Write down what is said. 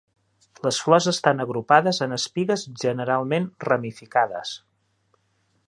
Les flors estan agrupades en espigues generalment ramificades.